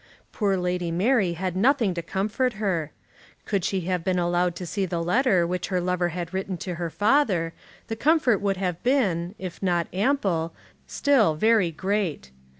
Poor Lady Mary had nothing to comfort her. Could she have been allowed to see the letter which her lover had written to her father, the comfort would have been, if not ample, still very great.